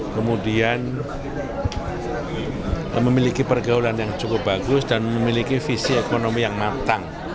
kemudian memiliki pergaulan yang cukup bagus dan memiliki visi ekonomi yang matang